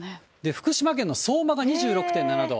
福島県の相馬が２６．７度。